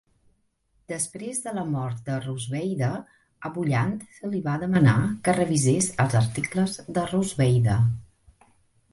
Després de la mort de Rosweyde, a Bolland se li va demanar que revisés els articles de Rosweyde.